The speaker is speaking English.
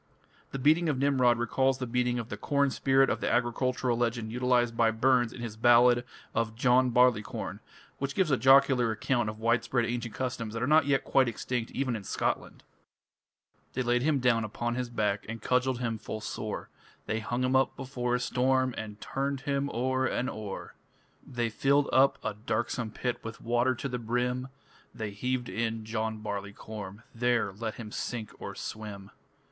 The beating of Nimrod recalls the beating of the corn spirit of the agricultural legend utilized by Burns in his ballad of "John Barleycorn", which gives a jocular account of widespread ancient customs that are not yet quite extinct even in Scotland: They laid him down upon his back And cudgelled him full sore; They hung him up before a storm And turned him o'er and o'er. They filled up a darksome pit With water to the brim, They heaved in John Barleycorn There let him sink or swim.